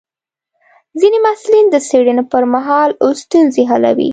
ځینې محصلین د څېړنې پر مهال ستونزې حلوي.